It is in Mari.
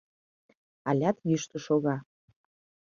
Алят йӱштӧ шога.